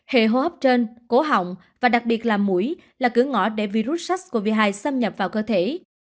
hệ hô hấp trên cổ họng và đặc biệt là mũi là cửa ngõ để virus sars cov hai xâm nhập vào cơ thể